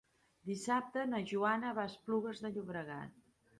Dissabte na Joana va a Esplugues de Llobregat.